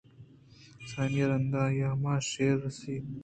سیمی رندا آئی ءَ ہما شیر دیست